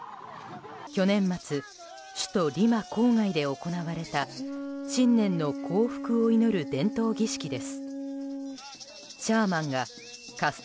去年末、首都リマ郊外で行われた新年の幸福を祈る伝統儀式です。